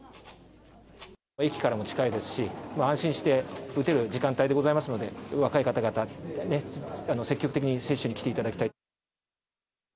駅からも近いですし、安心して打てる時間帯でございますので、若い方々に、積極的に接種に来ていただきたい。